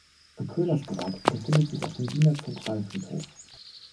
Köhlers Grab befindet sich auf dem Wiener Zentralfriedhof.